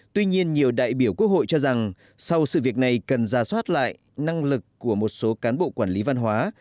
tuy nhiên nhiều đại biểu quốc hội cho rằng sau sự việc này cần ra soát lại năng lực của một số cán bộ quản lý văn hóa